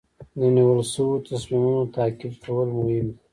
د نیول شوو تصمیمونو تعقیب کول مهم دي.